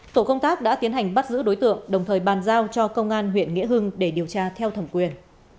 tổ công tác đã tiến hành bắt giữ đối tượng đồng thời bàn giao cho công an huyện nghĩa hưng để điều tra theo thẩm quyền